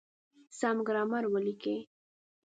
سم ګرامر وليکئ!.